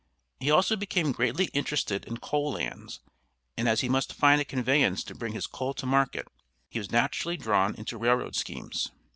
He also became greatly interested in coal lands, and as he must find a conveyance to bring his coal to market, he was naturally drawn into railroad schemes.